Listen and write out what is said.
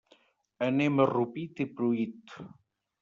Anem a Rupit i Pruit.